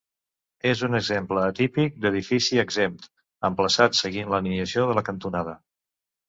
És un exemple atípic d'edifici exempt, emplaçat seguint l'alineació de la cantonada.